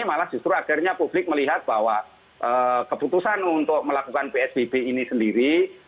malah justru akhirnya publik melihat bahwa keputusan untuk melakukan psbb ini sendiri